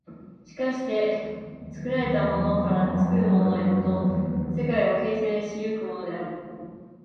しかして作られたものから作るものへと世界を形成し行くのである。